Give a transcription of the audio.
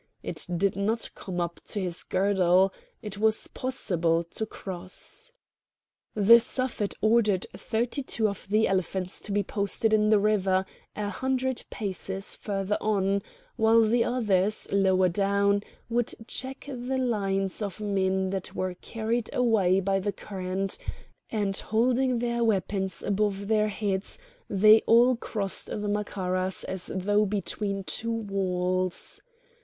It did not come up to his girdle; it was possible to cross. The Suffet ordered thirty two of the elephants to be posted in the river a hundred paces further on, while the others, lower down, would check the lines of men that were carried away by the current; and holding their weapons above their heads they all crossed the Macaras as though between two walls.